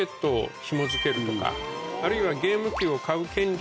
あるいは。